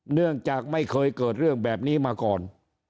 เนื่องจากไม่เคยเกิดเรื่องแบบนี้มาก่อน